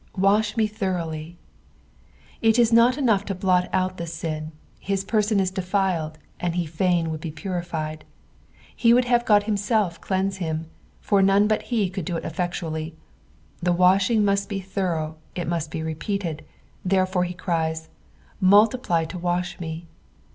Walk me tkroug/Jjf." It is not enough to blot out the sin ; his persan is defiled, and he fain would be purified. He would have God himself cleanse him, fur none but he could do it effectually. The washing must be thorough, it must be repeated, therefore he cries, " Multiply to wash me."